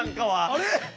あれ？